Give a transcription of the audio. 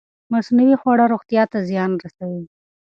مصنوعي خواړه روغتیا ته زیان رسوي.